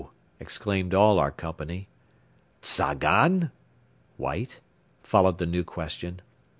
exclaimed all our company. "Tzagan? (White?)" followed the new question.